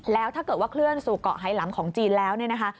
แล้วถ้าเกิดว่าเคลื่อนสู่เกาะไฮลัมของจีนแล้วเนี่ยนะคะ